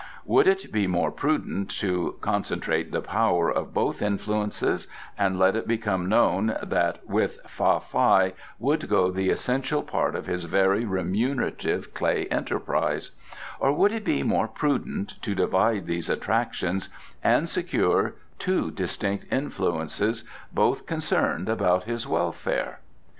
Would it be more prudent to concentrate the power of both influences and let it become known that with Fa Fai would go the essential part of his very remunerative clay enterprise, or would it be more prudent to divide these attractions and secure two distinct influences, both concerned about his welfare?